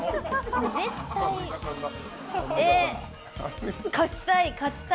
絶対、勝ちたい。